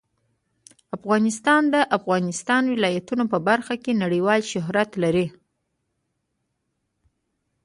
افغانستان د د افغانستان ولايتونه په برخه کې نړیوال شهرت لري.